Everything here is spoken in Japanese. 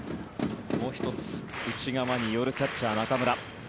もう１つ、内側に寄るキャッチャー、中村。